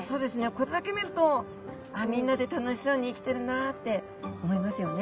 これだけ見るとみんなで楽しそうに生きてるなって思いますよね。